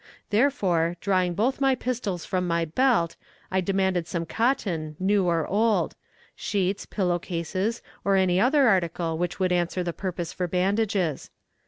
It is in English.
Therefore, drawing both my pistols from my belt, I demanded some cotton, new or old sheets, pillow cases, or any other article which would answer the purpose for bandages.